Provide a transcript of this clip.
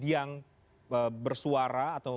yang bersuara atau